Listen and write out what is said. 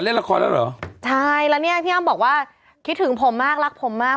เล่นละครแล้วเหรอใช่แล้วเนี่ยพี่อ้ำบอกว่าคิดถึงผมมากรักผมมาก